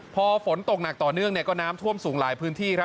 พอฝนตกหนักต่อเนื่องก็น้ำท่วมสูงหลายพื้นที่